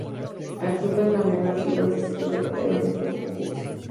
El club encadenó así dos descensos de categoría consecutivos.